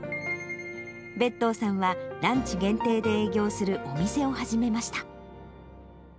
別當さんはランチ限定で営業するお店を始めました。